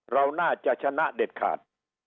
เราน่าจะชนะเด็ดขาด